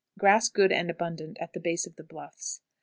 Grass good and abundant at the base of the bluffs.